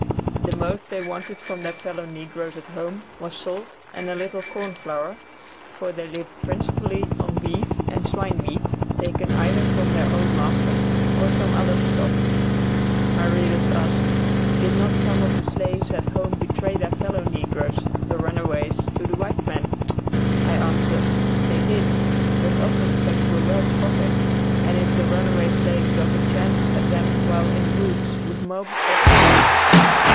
The most they wanted from their fellow negroes at home was salt and a little corn flour; for they lived principally on beef and swine meat, taken either from their own masters or some other's stock. My readers ask, did not some of the slaves at home betray their fellow negroes, the runaways, to the white man? I answer, they did; but often such were well spotted, and if the runaway slaves got a chance at them while in the woods would mob or kill them.